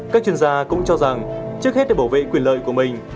các chuyên gia cũng cho rằng trước hết để bảo vệ quyền lợi của mình